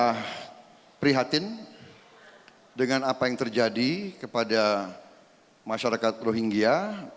kita prihatin dengan apa yang terjadi kepada masyarakat rohingya